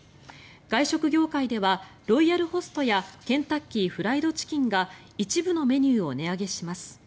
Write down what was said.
外食業界ではロイヤルホストやケンタッキー・フライド・チキンが一部のメニューを値上げします。